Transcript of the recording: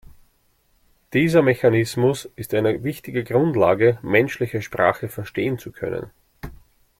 Dieser Mechanismus ist eine wichtige Grundlage, menschliche Sprache verstehen zu können.